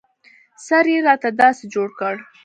سر يې راته داسې جوړ کړ.